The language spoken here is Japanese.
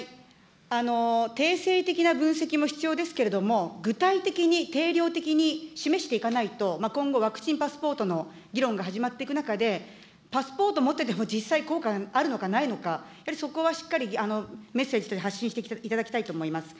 定性的な分析も必要ですけれども、具体的に定量的に示していかないと、今後、ワクチンパスポートの議論が始まっていく中で、パスポート持ってても実際効果があるのかないのか、やっぱりそこはしっかりメッセージとして発信していただきたいと思います。